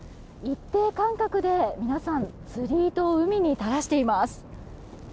一定間隔で皆さん釣り糸を海に垂らしています。